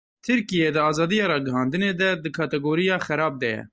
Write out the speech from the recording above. Tirkiye di azadiya ragihandinê de di kategoriya "xerab" de ye.